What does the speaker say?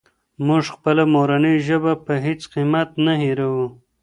موږ خپله مورنۍ ژبه په هېڅ قیمت نه هېروو.